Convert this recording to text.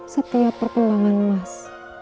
setiap perkembangan mas